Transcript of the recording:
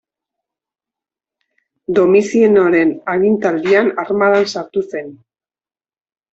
Domizianoren agintaldian armadan sartu zen.